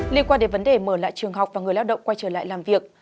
liên quan đến vấn đề mở lại trường học và người lao động quay trở lại làm việc